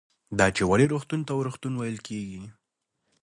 دا چې ولې روغتون ته روغتون ویل کېږي